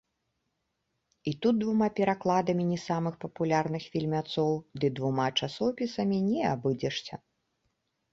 І тут двума перакладамі не самых папулярных фільмяцоў ды двума часопісамі не абыдзешся.